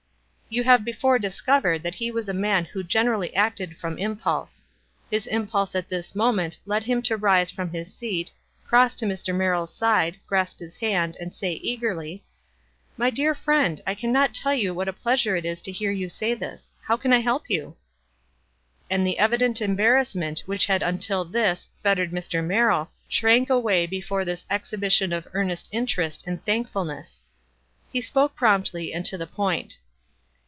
You have before discovered that he was a man who generally acted from impulse. His impulse at this moment led him to rise from his seat, cross to Mr. Merrill's side, grasp his hand and say, eagerly, — "My dear friend, I can not tell you what a pleasure it is to hear you say this. How can I help you?" And the evident embarrassment which had until this fettered Mr. Merrill, shrank away be fore this exhibition of earnest interest and thank fulness. He spoke promptly and to the point.